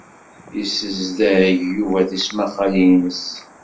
Yessazdeg Yuba tismaqqalin-nnes.